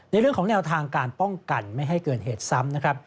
เรื่องของแนวทางการป้องกันไม่ให้เกินเหตุซ้ำนะครับ